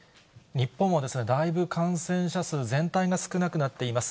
日本はだいぶ感染者数、全体が少なくなっています。